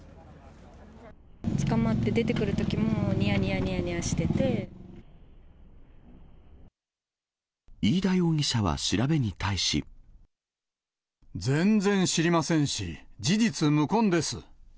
捕まって出てくるときも、飯田容疑者は調べに対し。全然知りませんし、事実無根です。